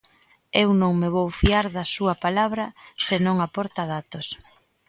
Eu non me vou fiar da súa palabra se non aporta datos.